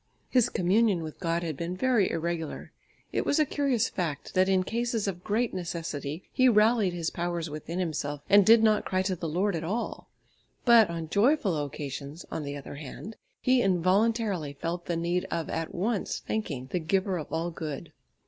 His communion with God had been very irregular; it was a curious fact, that in cases of great necessity he rallied his powers within himself and did not cry to the Lord at all; but on joyful occasions, on the other hand, he involuntarily felt the need of at once thanking the Giver of all good.